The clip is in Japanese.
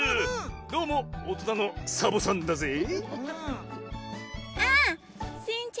どうもおとなのサボさんだぜぇ。